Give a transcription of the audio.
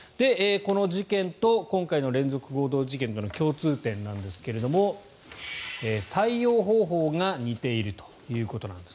この事件と今回の連続強盗事件との共通点なんですが採用方法が似ているということです。